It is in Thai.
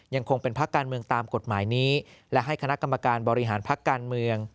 ยังคงเป็นพักการเมืองตามกฎหมายนี้และให้คณะกรรมการบริหารพักการเมือง